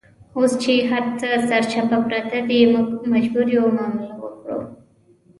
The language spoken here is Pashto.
اوس چې هرڅه سرچپه پراته دي، موږ مجبور یو معامله وکړو.